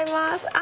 あ！